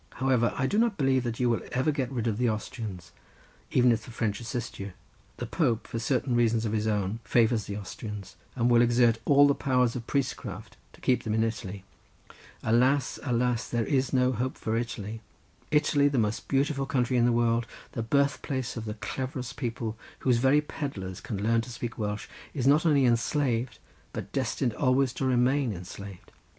However, I do not believe that you will ever get rid of the Austrians, even if the French assist you. The Pope for certain reasons of his own favours the Austrians, and will exert all the powers of priestcraft to keep them in Italy. Alas, alas, there is no hope for Italy! Italy, the most beautiful country in the world, the birthplace of the cleverest people, whose very pedlars can learn to speak Welsh, is not only enslaved, but destined always to remain enslaved."